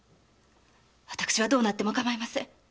私はどうなっても構いません。